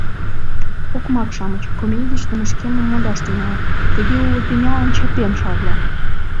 — Окмак-шамыч, комедийыште мый шкемым модаш тӱҥалам, тыге уло тӱнялан чапем шарла!